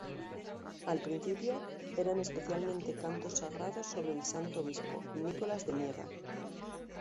Al principio, eran especialmente cantos sagrados sobre el santo obispo, Nicolás de Myra.